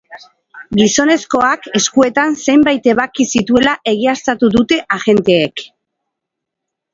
Gizonezkoak eskuetan zenbait ebaki zituela egiaztatu dute agenteek.